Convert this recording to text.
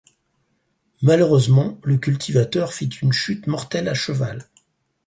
Malheureusement le cultivateur fit une chute mortelle à cheval.